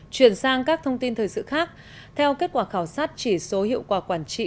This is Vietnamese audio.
chuyển sang các thông tin thời sự khác theo kết quả khảo sát chỉ số hiệu quả quản trị